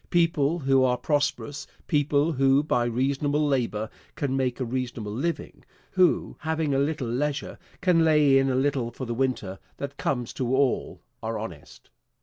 People who are prosperous, people who by reasonable labor can make a reasonable living, who, having a little leisure can lay in a little for the winter that comes to all, are honest.